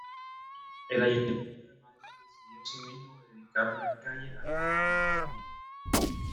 El ayuntamiento de Madrid decidió asimismo dedicar una calle al dirigente socialista.